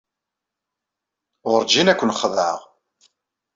Werǧin ad ken-xedɛeɣ.